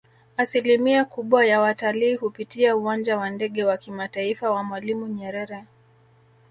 Asilimia kubwa ya watalii hupitia uwanja wa Ndege wa kimataifa wa Mwalimu Nyerere